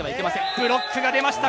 ブロックが出ました！